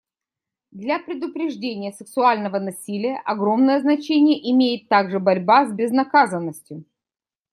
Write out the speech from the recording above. Для предупреждения сексуального насилия огромное значение имеет также борьба с безнаказанностью.